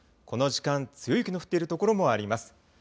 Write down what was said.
この時間、強い雨の降っている所もあります。